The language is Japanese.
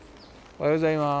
おはようございます。